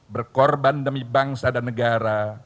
berkorban demi bangsa dan negara